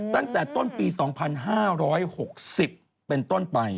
ตั้งแต่ต้นปี๒๕๖๐เป็นต้นไป